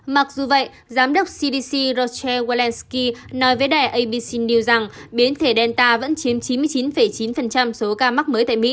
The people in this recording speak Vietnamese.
mặc dù vậy giám đốc cdc roger walensky nói với đài abc news rằng biến thể delta vẫn chiếm chín mươi chín chín số ca mắc